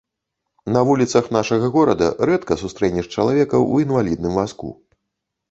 На вуліцах нашага горада рэдка сустрэнеш чалавека ў інвалідным вазку.